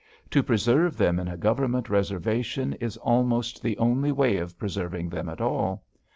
To preserve them in a Government reservation is almost the only way of preserving them at all.